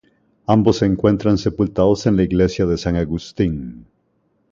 Ambos se encuentran sepultados en la Iglesia de San Agustín.